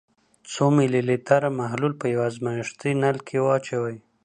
څو ملي لیتره محلول په یو ازمیښتي نل کې واچوئ.